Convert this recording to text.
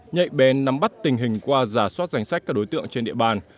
nhạy bén nắm bắt tình hình qua giả soát danh sách các đối tượng trên địa bàn